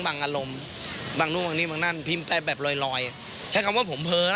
ถ้าผมแบบหัวรุนแรงเขาก็แค่ข่มจะบอกแล้วการ